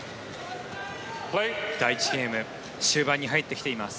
第１ゲーム終盤に入ってきています。